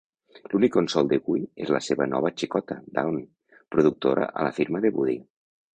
L'únic consol de Guy és la seva nova xicota, Dawn, productora a la firma de Buddy.